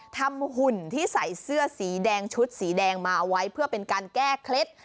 หุ่นที่ใส่เสื้อสีแดงชุดสีแดงมาเอาไว้เพื่อเป็นการแก้เคล็ด